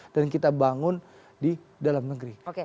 dan kita bangun di dalam negeri